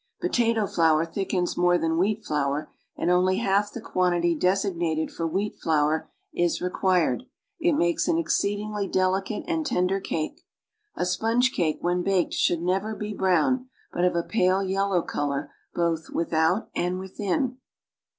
Potato fiour thickens more than wheat flour, and only half the quantity desig nated for wheat flour is required; it makes an exceedingly delicate and tender cake. A sponge cake when baked should never be brown, but of a pale, yellow color both without and within.